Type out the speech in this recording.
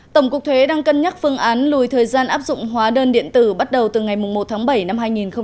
tổng cục thuế đang cân nhắc phương án lùi thời gian áp dụng hóa đơn điện tử bắt đầu từ ngày một tháng bảy năm hai nghìn hai mươi